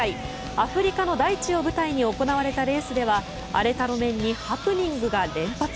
アフリカの大地を舞台に行われたレースでは荒れた路面にハプニングが連発。